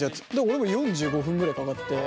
俺も４５分ぐらいかかって。